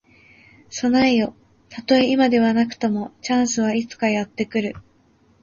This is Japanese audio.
備えよ。たとえ今ではなくとも、チャンスはいつかやって来る。